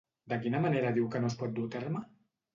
De quina manera diu que no es pot dur a terme?